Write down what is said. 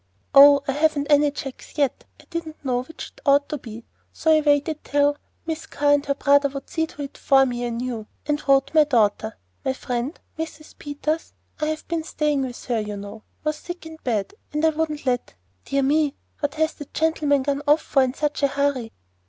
"Oh, I haven't any checks yet. I didn't know which it ought to be, so I waited till Miss Carr and her brother would see to it for me I knew, and I wrote my daughter My friend, Mrs. Peters, I've been staying with her, you know, was sick in bed, and I wouldn't let Dear me! what has that gentleman gone off for in such a hurry?"